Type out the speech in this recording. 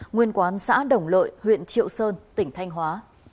nguyên quán xã đồng lợi huyện triệu sơn tỉnh thanh hóa